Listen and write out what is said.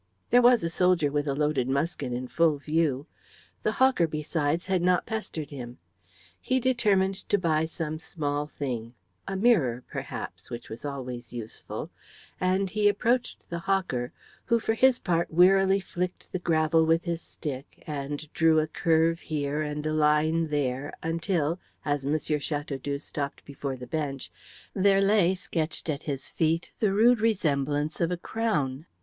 There was a soldier with a loaded musket in full view. The hawker, besides, had not pestered him. He determined to buy some small thing, a mirror, perhaps, which was always useful, and he approached the hawker, who for his part wearily flicked the gravel with his stick and drew a curve here and a line there until, as M. Chateaudoux stopped before the bench, there lay sketched at his feet the rude semblance of a crown.